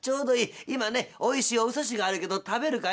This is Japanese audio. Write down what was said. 今ねおいしいおすしがあるけど食べるかい？」。